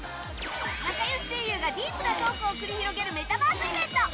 仲良し声優がディープなトークを繰り広げるメタバースイベント